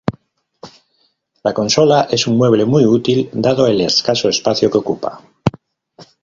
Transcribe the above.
La consola es un mueble muy útil dado el escaso espacio que ocupa.